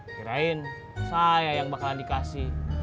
kirain saya yang bakalan dikasih